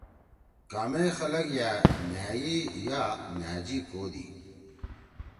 کامے خلگ یأ ”نھائی“ یا ”نھأجی“ کودی۔